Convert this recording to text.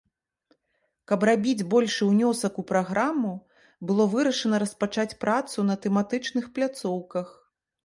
Каб рабіць большы ўнёсак у праграму, было вырашана распачаць працу па тэматычных пляцоўках.